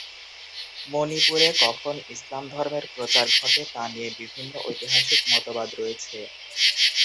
মণিপুরে কখন ইসলাম ধর্মের প্রসার ঘটে তা নিয়ে বিভিন্ন ঐতিহাসিক মতবাদ রয়েছে।